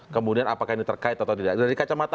kemudian apakah ini terkait atau tidak dari kacamata